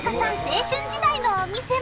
青春時代のお店も